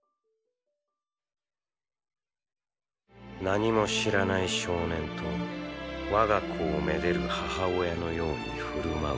何も知らない少年と我が子をめでる母親のように振る舞うマーチ。